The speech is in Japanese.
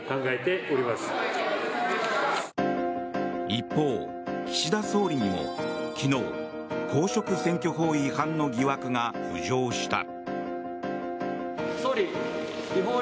一方、岸田総理にも昨日、公職選挙法違反の疑惑が浮上した。